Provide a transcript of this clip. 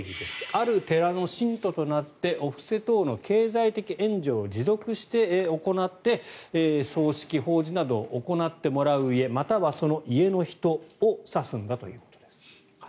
ある寺の信徒となってお布施等の経済的援助を持続して行って葬式、法事などを行ってもらう家またはその家の人を指すんだということです。